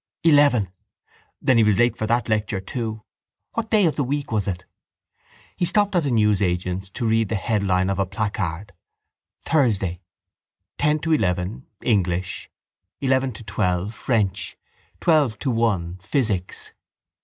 Eleven! Then he was late for that lecture too. What day of the week was it? He stopped at a newsagent's to read the headline of a placard. Thursday. Ten to eleven, English; eleven to twelve, French; twelve to one, physics.